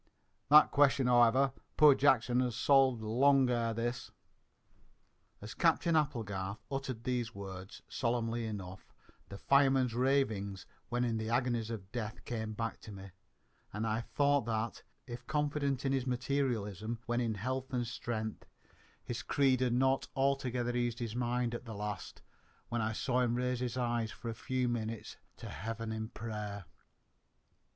"That question however, poor Jackson has solved, long ere this!" As Captain Applegarth uttered these words, solemnly enough, the fireman's ravings, when in the agonies of death, came back to me, and I thought that, if confident in his materialism when in health and strength, his creed had not altogether eased his mind at the last, when I saw him raise his eyes, for a few minutes, to heaven in prayer.